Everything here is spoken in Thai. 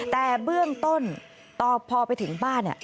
แต่เบื้องต้นต่อพอไปถึงบ้าน